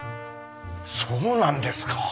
そうなんですか。